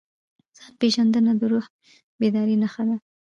ځان پېژندنه د روح د بیدارۍ نښه ده.